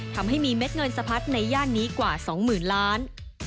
ทำให้มีเม็ดเงินสะพัดในย่านนี้กว่า๒๐๐๐ล้าน